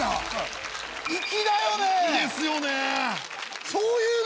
粋ですよね！